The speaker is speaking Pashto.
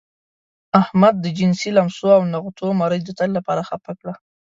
احمد د جنسي لمسو او نغوتو مرۍ د تل لپاره خپه کړه.